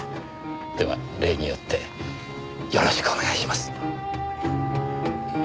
では例によってよろしくお願いします。